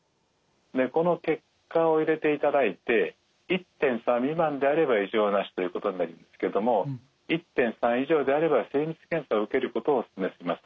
この結果を入れていただいて１．３未満であれば異常なしということになりますけども１．３以上であれば精密検査を受けることをお勧めします。